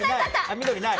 緑ない！